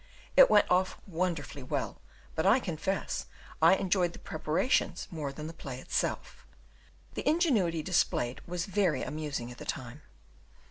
It went off wonderfully well; but I confess I enjoyed the preparations more than the play itself: the ingenuity displayed was very amusing at the time.